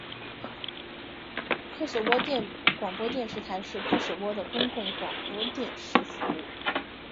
科索沃广播电视台是科索沃的公共广播电视服务。